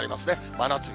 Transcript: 真夏日。